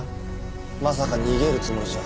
まさか逃げるつもりじゃ。